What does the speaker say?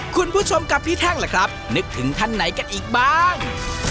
คุณผู้ชมกับพี่แท่งล่ะครับนึกถึงท่านไหนกันอีกบ้าง